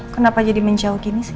kenapa jadi menjauh gini